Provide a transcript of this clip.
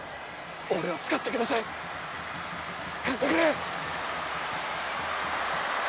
俺を使ってください！監督！